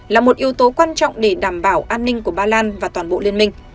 là một yếu tố quan trọng để đảm bảo an ninh của ba lan và toàn bộ liên minh